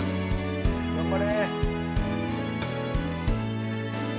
頑張れ。